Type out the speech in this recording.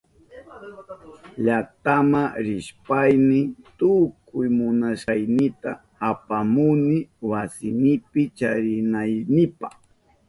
Llaktama rishpayni tukuy munashkaynita apamuni wasinipi charinaynipa.